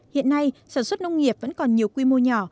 hiện nay sản xuất nông nghiệp vẫn còn nhiều quy mô nhỏ